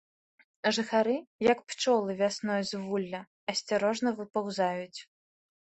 Жыхары, як пчолы вясною з вулля, асцярожна выпаўзаюць.